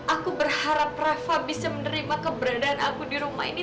aku berharap rafa bisa menerima keberadaan aku di rumah ini